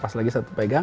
pas lagi satu pegang